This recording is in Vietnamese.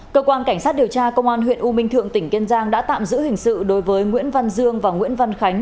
cơ quan cảnh sát điều tra công an huyện u minh thượng tỉnh kiên giang đã tạm giữ hình sự đối với nguyễn văn dương và nguyễn văn khánh